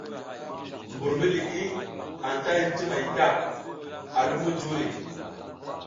Mbur mi liʼi anta hin ti may ta, a lum mujuri.